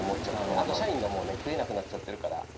あと社員がもうね食えなくなっちゃってるから。